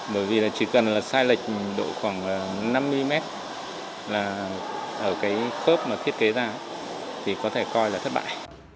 bởi vì là chỉ cần là sai lệch độ khoảng năm mươi mét là ở cái khớp mà thiết kế ra thì có thể coi là thất bại